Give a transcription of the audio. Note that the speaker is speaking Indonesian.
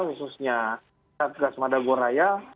khususnya satgas madagoraya